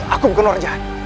aku bukan orja